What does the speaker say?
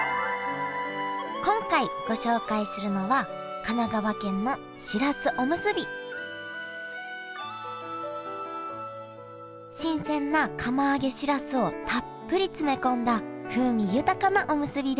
今回ご紹介するのは新鮮な釜揚げしらすをたっぷり詰め込んだ風味豊かなおむすびです。